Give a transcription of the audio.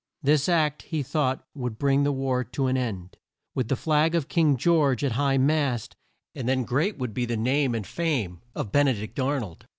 This act he thought would bring the war to an end, with the flag of King George at high mast, and then great would be the name and fame of Ben e dict Ar nold.